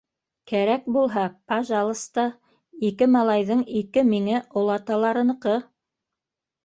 Кәрәк булһа - пажалыста: ике малайҙың ике миңе - олаталарыныҡы!